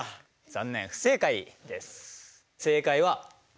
残念不正解です。